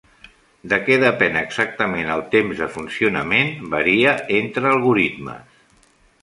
De què depèn exactament el temps de funcionament varia entre algoritmes.